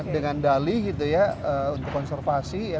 dengan dali gitu ya untuk konservasi ya